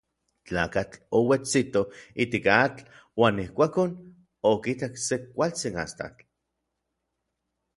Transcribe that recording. Tlakatl ouetsito ijtik atl uan ijkuakon okitak se kualtsin astatl.